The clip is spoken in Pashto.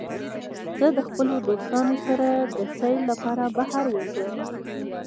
زه د خپلو دوستانو سره د سیل لپاره بهر ځم.